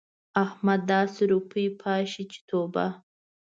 احمد داسې روپۍ پاشي چې توبه!